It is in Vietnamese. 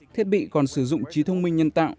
thiết bị còn sử dụng trí thông minh nhân tạo